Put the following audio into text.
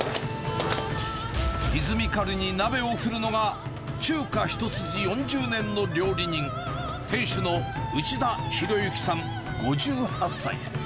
リズミカルに鍋を振るのが、中華一筋４０年の料理人、店主の内田博之さん５８歳。